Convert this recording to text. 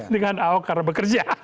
dengan ahok karena bekerja